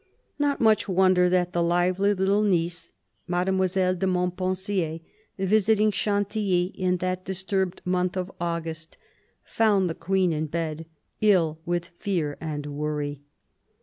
Not much wonder that the lively little niece. Mademoiselle de Montpensier, visiting Chantilly in that disturbed month of August, found the Queen in bed, ill with fear and worry.